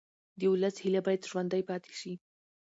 د ولس هیله باید ژوندۍ پاتې شي